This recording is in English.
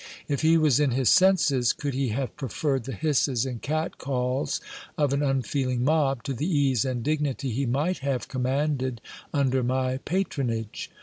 If he was in his senses, could he have preferred the hisses and catcalls of an unfeeling mob, to the ease and dignity he might have com manded under my patronage?